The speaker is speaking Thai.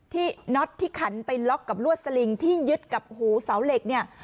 น็อตที่ขันไปล็อกกับลวดสลิงที่ยึดกับหูเสาเหล็กเนี่ย